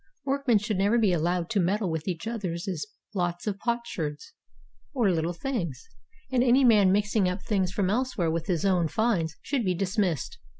Workmen should never be allowed to meddle with each other's lots of potsherds or little things; and any man mixing up things from elsewhere with his own finds should be dismissed.